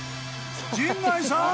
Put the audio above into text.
［陣内さん